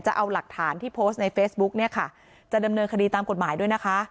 จะเอาหลักฐานที่โพสต์ในเฟซบุ๊กเนี่ยค่ะจะดำเนินคดีตามกฎหมายด้วยนะคะ